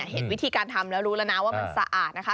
เห็นวิธีการทำแล้วรู้แล้วนะว่ามันสะอาดนะคะ